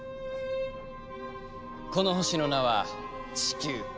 この星の名は地球。